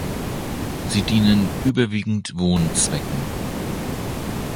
Sie dienen überwiegend Wohnzwecken.